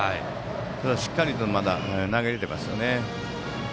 ただ、しっかりとまだ投げれてますね。